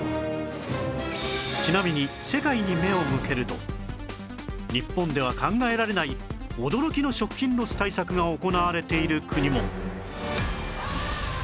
ちなみに世界に目を向けると日本では考えられない驚きの食品ロス対策が行われている国も